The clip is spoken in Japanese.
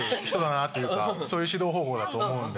そういう指導方法だと思うんで。